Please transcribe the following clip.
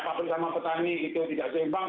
apapun sama petani itu tidak seimbang